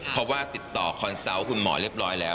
เพราะว่าติดต่อคอนเซาต์คุณหมอเรียบร้อยแล้ว